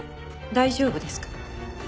大丈夫です。